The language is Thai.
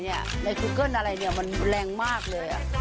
ในคุกเกิ้ลอะไรมันแรงมากเลย